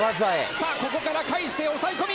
さあ、ここから返して押さえ込み。